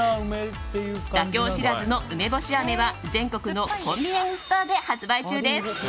妥協しらずの梅干し飴は全国のコンビニエンスストアで発売中です。